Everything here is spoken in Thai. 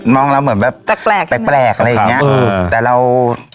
เราเหมือนแบบแปลกแปลกอะไรอย่างเงี้ยอืมแต่เรา